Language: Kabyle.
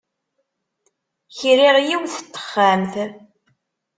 Kriɣ yiwet n texxamt.